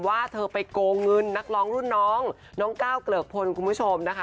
ว่าเธอไปโกงเงินนักร้องรุ่นน้องน้องก้าวกระเอ๋อ่ะพนท์